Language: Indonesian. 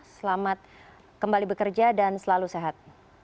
selamat kembali bekerja dan selalu sehat